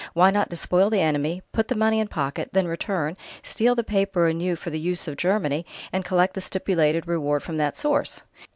Why not despoil the enemy, put the money in pocket, then return, steal the paper anew for the use of Germany, and collect the stipulated reward from that source?